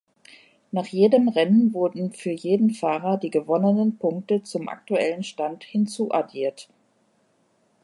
Nach jedem Rennen wurden für jeden Fahrer die gewonnenen Punkte zum aktuellen Stand hinzuaddiert.